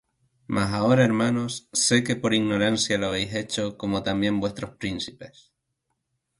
Mas ahora, hermanos, sé que por ignorancia lo habéis hecho, como también vuestros príncipes.